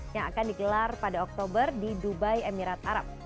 yang akan digelar pada oktober di dubai emirat arab